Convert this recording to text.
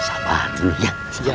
sabar dulu ya